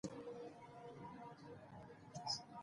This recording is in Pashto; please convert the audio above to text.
دا څپه ایزه ګړه به ونه لیکل سي.